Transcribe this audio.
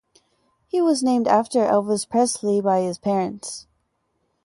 He was named after Elvis Presley by his parents.